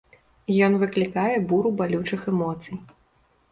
Ён выклікае буру балючых эмоцый.